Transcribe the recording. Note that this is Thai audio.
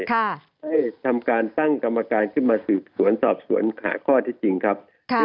ให้ทำการตั้งกรรมการขึ้นมาสืบสวนสอบสวนหาข้อที่จริงครับ